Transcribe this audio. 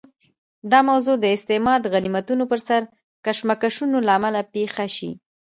دا موضوع د استعمار د غنیمتونو پر سر کشمکشونو له امله پېښه شي.